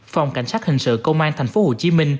phòng cảnh sát hình sự công an tp hcm